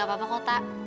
gak apa apa kok tak